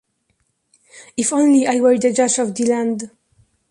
If only I were the judge of the land!